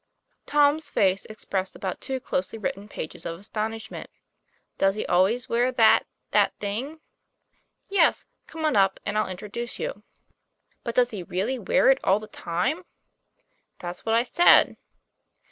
Tom's face expressed about two closely written pages of astonishment. ' Does he always wear that that thing?" 'Yes, come on up, and I'll introduce you." ' But does he really wear it all the time?" "That's what I said."